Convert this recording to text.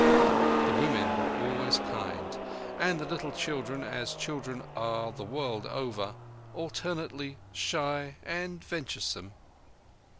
The women were always kind, and the little children as children are the world over, alternately shy and venturesome.